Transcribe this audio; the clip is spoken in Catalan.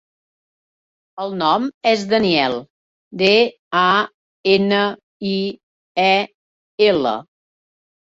El nom és Daniel: de, a, ena, i, e, ela.